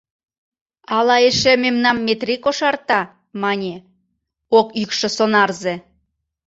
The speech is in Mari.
Ала эше мемнам Метрий кошарта, мане? — ок йӱкшӧ сонарзе.